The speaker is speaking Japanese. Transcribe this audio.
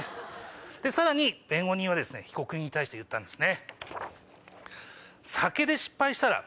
さらに弁護人は被告人に対して言ったんですね。